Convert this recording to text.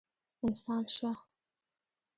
انسان شه!